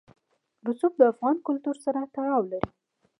رسوب د افغان کلتور سره تړاو لري.